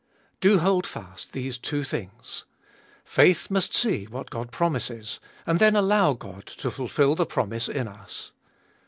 7. Do hold fast these two things. Faith must see what God promises, and then allow God to fulfil the promise In us.